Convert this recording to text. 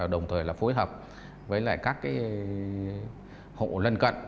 đồng thời là phối hợp với các hộ lân cận